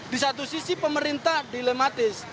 di satu sisi pemerintah dilematis